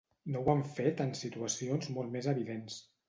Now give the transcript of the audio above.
No ho han fet en situacions molt més evidents